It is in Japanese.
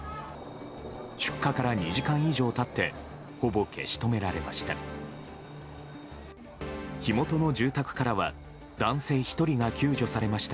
出火から２時間以上経ってほぼ消し止められました。